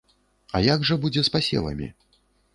А як жа будзе з пасевамі?